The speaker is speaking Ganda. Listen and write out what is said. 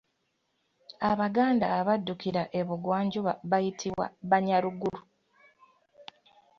Abaganda abaddukira e bugwanjuba baayitibwa Banyaruguru.